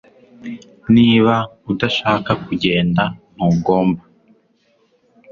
Niba udashaka kugenda ntugomba